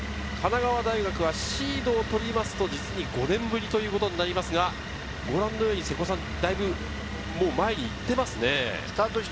神奈川大学はシードを取りますと実に５年ぶりということになりますが、だいぶ前に行ってますね。